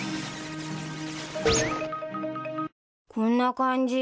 こんな感じ？